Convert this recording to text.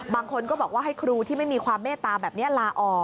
บางคนก็บอกว่าให้ครูที่ไม่มีความเมตตาแบบนี้ลาออก